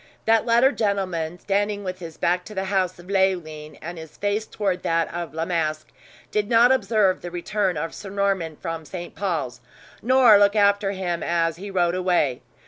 That latter gentleman, standing with his back to the house of Leoline, and his face toward that of La Masque, did not observe the return of Sir Norman from St. Paul's, nor look after him as he rode away.